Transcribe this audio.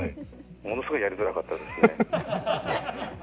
ものすごい、やりづらかったですね。